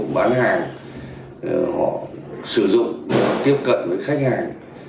bán hàng họ sử dụng họ tiếp cận với khách hàng